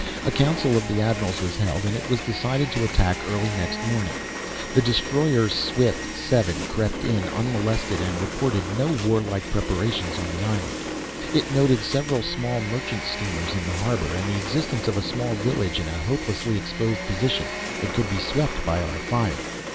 A council of the admirals was held, and it was decided to attack early next morning. The destroyer, Swift VII, crept in, unmolested, and reported no warlike preparations on the island. It noted several small merchant steamers in the harbour, and the existence of a small village in a hopelessly exposed position that could be swept by our fire.